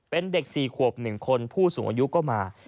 เป็นเด็ก๔ขวบ๑คนผู้สูงอายุก็มา